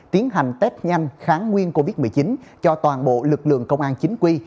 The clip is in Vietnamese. tiến hành test nhanh kháng nguyên covid một mươi chín cho toàn bộ lực lượng công an chính quy